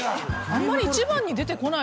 あんまり一番に出てこない。